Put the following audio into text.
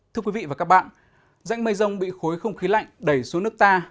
thưa quý vị và các bạn dãy mây rông bị khối không khí lạnh đẩy xuống nước ta